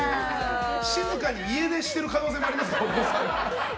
静かに家出している可能性もありますよ、お子さん。